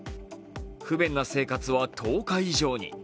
不便な生活は１０日以上に。